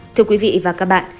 thưa quý vị và các bạn